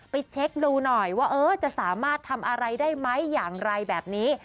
เช็คดูหน่อยว่าจะสามารถทำอะไรได้ไหมอย่างไรแบบนี้